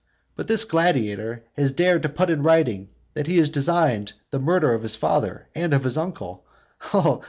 But this gladiator has dared to put in writing that he had designed the murder of his father and of his uncle.